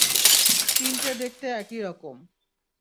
তিনটে দেখতে একইরকম।